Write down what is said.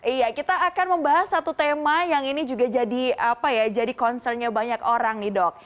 iya kita akan membahas satu tema yang ini juga jadi concernnya banyak orang nih dok